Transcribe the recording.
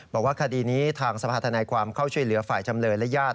บอกว่าคดีนี้ทางสภาธนายความเข้าช่วยเหลือฝ่ายจำเลยและญาติ